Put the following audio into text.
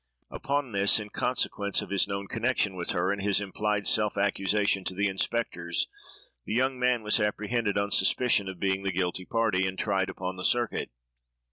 Upon this, in consequence of his known connection with her, and his implied self accusation to the inspectors, the young man was apprehended on suspicion of being the guilty party, and tried upon the circuit.